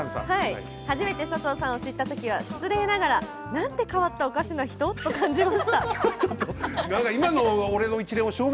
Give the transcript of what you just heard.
初めて佐藤さんを知ったときは失礼ながら、なんて変わったおかしな人と感じました。